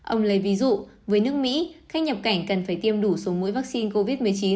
ông lấy ví dụ với nước mỹ khách nhập cảnh cần phải tiêm đủ số mũi vaccine covid một mươi chín